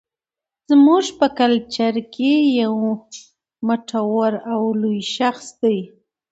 زموږ په کلچر کې يو مټور او لوى شخص دى